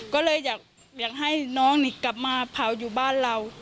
ก็เลยอยากให้น้องนี่กลับมาเผาอยู่บ้านเรา